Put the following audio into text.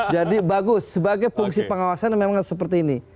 jadi bagus sebagai fungsi pengawasan memang harus seperti ini